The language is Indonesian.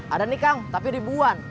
ada nih kang tapi dibuan